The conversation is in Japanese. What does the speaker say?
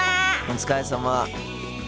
お疲れさま。